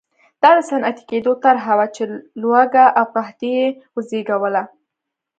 دا د صنعتي کېدو طرحه وه چې لوږه او قحطي یې وزېږوله.